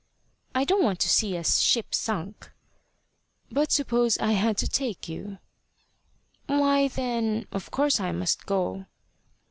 "I don't want to see a ship sunk." "But suppose I had to take you?" "Why, then, of course I must go."